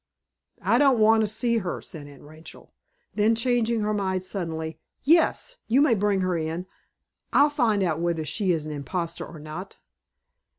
"I don't want to see her," said Aunt Rachel. Then changing her mind, suddenly, "Yes, you may bring her in. I'll find out whether she is an imposter or not."